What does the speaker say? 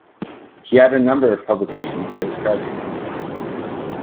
He had a number of publications to his credit.